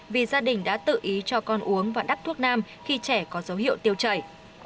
vì gia đình đã tự ý cho con uống và đắp thuốc nam khi trẻ có dấu hiệu tiêu chảy